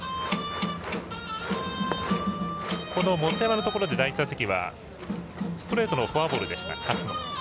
この元山のところで第１打席はストレートのフォアボールでした勝野。